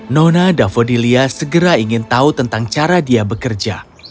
nona davodilia segera ingin tahu tentang cara dia bekerja